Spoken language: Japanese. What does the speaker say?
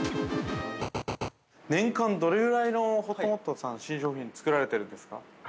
◆年間、どれぐらいのほっともっとさん、新商品作られているんですか。